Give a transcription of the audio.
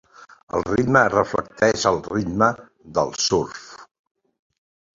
El ritme reflecteix el ritme del surf.